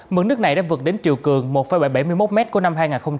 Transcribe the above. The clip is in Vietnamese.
mức nước này đã vượt đến triều cường một bảy mươi một m của năm hai nghìn hai mươi